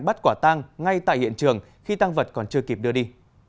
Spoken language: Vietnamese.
bắt quả tang ngay tại hiện trường khi tang vật còn chưa kịp đưa đi